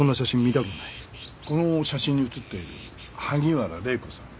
この写真に写っている萩原礼子さん